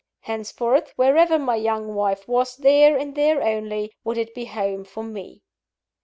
Henceforth, wherever my young wife was, there, and there only, would it be home for _me!